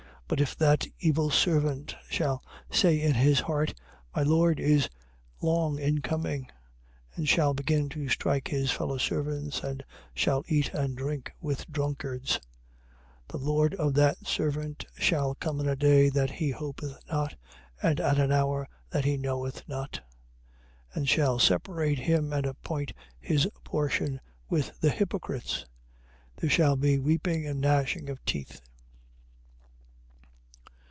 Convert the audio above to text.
24:48. But if that evil servant shall say in his heart: My lord is long a coming: 24:49. And shall begin to strike his fellow servants and shall eat and drink with drunkards: 24:50. The lord of that servant shall come in a day that he hopeth not and at an hour that he knoweth not: 24:51. And shall separate him and appoint his portion with the hypocrites. There shall be weeping and gnashing of teeth.